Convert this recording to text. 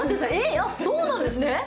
そうなんですね！